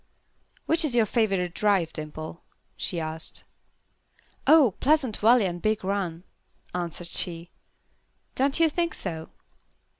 "Which is your favorite drive, Dimple?" she asked. "Oh, Pleasant Valley and Big Run," answered she. "Don't you think so?"